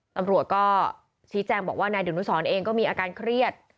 ตำรวจก็ชี้แจงบอกว่านายดุนุสรเองก็มีอาการเครียด